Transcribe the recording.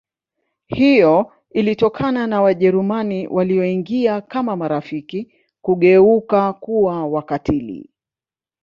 Hiyo ilitokana na Wajerumani walioingia kama marafiki kugeuka kuwa wakatiili